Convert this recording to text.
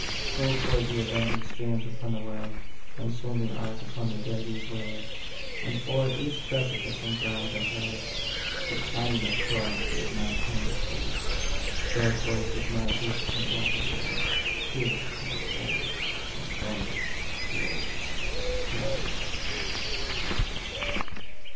So poured the avenging streams upon the world When swung the ark upon the deluge wave, And, o'er each precipice in grandeur hurled, The endless torrents gave mankind a grave. God's voice is mighty, on the water loud, Here, as of old, in thunder, glory, cloud!